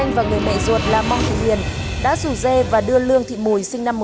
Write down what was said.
mong thị oanh và người mẹ ruột là mong thị huyền đã rủ re và đưa lương thị mùi sinh năm một nghìn chín trăm bảy mươi